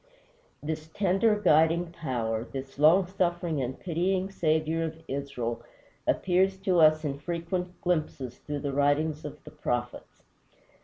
This tender, guiding Power, this long suffering and pitying Saviour of Israel, appears to us in frequent glimpses through the writings of the prophets.